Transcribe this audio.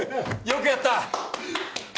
よくやった！